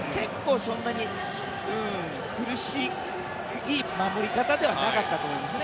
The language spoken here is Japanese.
そんなに苦しい守り方ではなかったと思います。